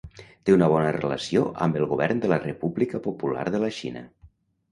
Té una bona relació amb el govern de la República Popular de la Xina.